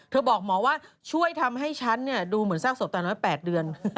เธอบอกหมอว่าช่วยทำให้ฉันดูเหมือนซากศพตัวเนาะแปดเดือน